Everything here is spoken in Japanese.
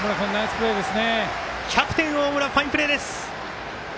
キャプテン、大村ファインプレーです。